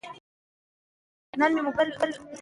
ازادي راډیو د د اوبو منابع ستر اهميت تشریح کړی.